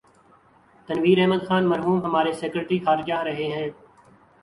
تنویر احمد خان مرحوم ہمارے سیکرٹری خارجہ رہے ہیں۔